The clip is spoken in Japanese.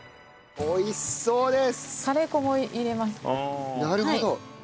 美味しそうです。